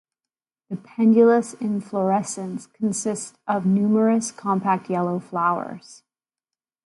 The pendulous inflorescence consist of numerous compact yellow flowers.